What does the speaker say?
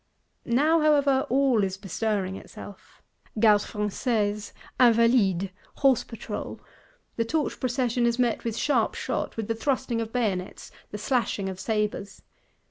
Now, however, all is bestirring itself; Gardes Françaises, Invalides, Horse patrol: the Torch Procession is met with sharp shot, with the thrusting of bayonets, the slashing of sabres.